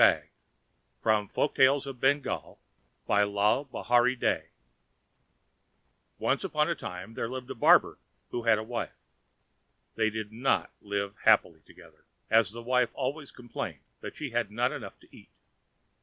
XX THE GHOST WHO WAS AFRAID OF BEING BAGGED Once on a time there lived a barber who had a wife. They did not live happily together, as the wife always complained that she had not enough to eat.